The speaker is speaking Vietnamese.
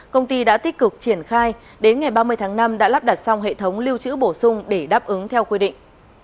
công ty đã tích cực triển khai đến ngày ba mươi tháng năm đã lắp đặt xong hệ thống lưu trữ bổ sung để đáp ứng theo quy định